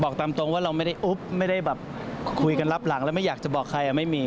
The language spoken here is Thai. บอกตามตรงว่าเราไม่ได้อุ๊บไม่ได้แบบคุยกันรับหลังแล้วไม่อยากจะบอกใครไม่มี